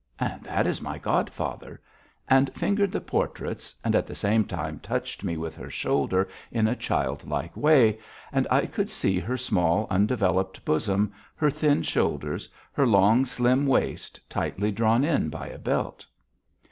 That is my godfather," and fingered the portraits, and at the same time touched me with her shoulder in a childlike way, and I could see her small, undeveloped bosom, her thin shoulders, her long, slim waist tightly drawn in by a belt.